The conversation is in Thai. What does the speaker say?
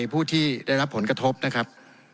ผู้ที่ได้รับผลกระทบนะครับ